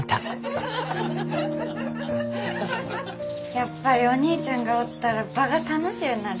やっぱりお兄ちゃんがおったら場が楽しゅうなる。